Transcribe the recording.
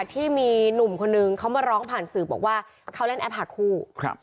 ที่มีหนุ่มคนนึงเขามาร้องผ่านสื่อบอกว่าเขาเล่นแอปหาคู่ครับ